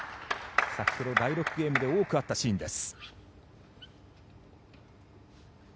先ほど第６ゲームで多くあったシーンです。